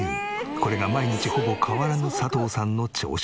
これが毎日ほぼ変わらぬ佐藤さんの朝食。